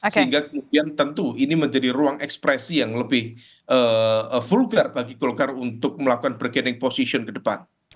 sehingga kemudian tentu ini menjadi ruang ekspresi yang lebih vulgar bagi golkar untuk melakukan bergening position ke depan